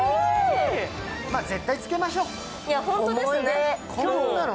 絶対つけましょ。